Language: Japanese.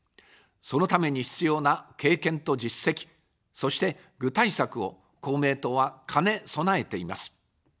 そのために必要な経験と実績、そして具体策を公明党は兼ね備えています。